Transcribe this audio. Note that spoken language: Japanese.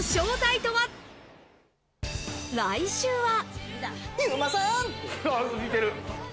来週は。